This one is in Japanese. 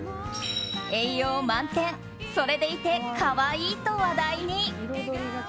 栄養満点それでいて可愛いと話題に。